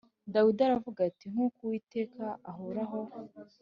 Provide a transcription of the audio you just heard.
Dawidi aravuga ati “Nk’uko Uwiteka ahoraho